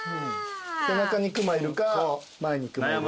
背中に熊いるか前に熊いるか。